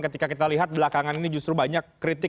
ketika kita lihat belakangan ini justru banyak kritik